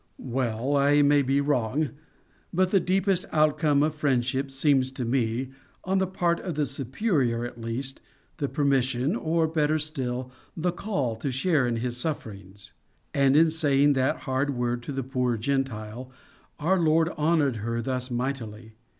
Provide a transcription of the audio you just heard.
"Well, I may be wrong, but the deepest outcome of friendship seems to me, on the part of the superior at least, the permission, or better still, the call, to share in his sufferings. And in saying that hard word to the poor Gentile, our Lord honoured her thus mightily.